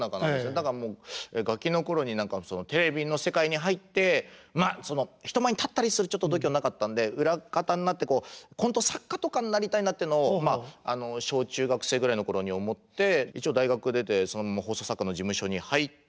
だからガキの頃にテレビの世界に入って人前に立ったりするちょっと度胸なかったんで裏方になってコント作家とかになりたいなっていうのを小中学生ぐらいの頃に思って一応大学出てそのまま放送作家の事務所に入って。